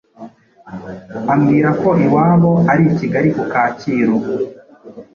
ambwira ko iwabo ari i Kigali ku Kacyiru